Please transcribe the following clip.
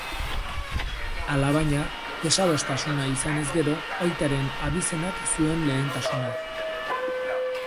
Alabaina, desadostasuna izanez gero, aitaren abizenak zuen lehentasuna.